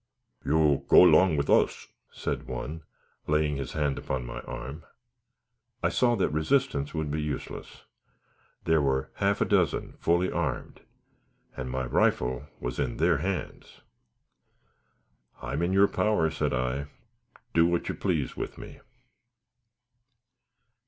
"You go 'long with us," said one, laying his hand upon my arm. I saw that resistance would be useless. There were half a dozen fully armed, and my rifle was in their hands. "I am in your power," said I; "do what you please with me."